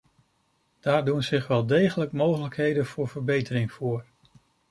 Daar doen zich wel degelijk mogelijkheden voor verbetering voor.